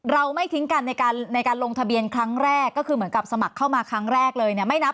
เราไม่ทิ้งกันในการในการลงทะเบียนครั้งแรกก็คือเหมือนกับสมัครเข้ามาครั้งแรกเลยเนี่ยไม่นับ